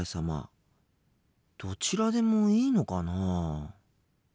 どちらでもいいのかな？